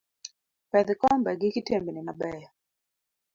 Pedh kombe gi kitembni mabeyo.